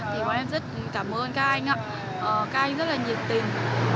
thì bọn em rất cảm ơn các anh các anh rất là nhiệt tình